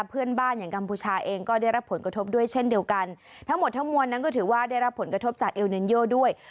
เพื่อนบ้านอย่างกัมพูชาเองก็ได้รับผลกระทบด้วยเช่นเดียวกันทั้งหมดทั้งมวลนั้นก็ถือว่าได้รับผลกระทบจากเอลเนนโยด้วย